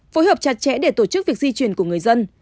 phối hợp chặt chẽ để tổ chức việc di chuyển của người dân